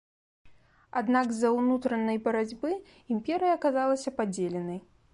Аднак з-за ўнутранай барацьбы імперыя аказалася падзеленай.